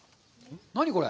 何これ。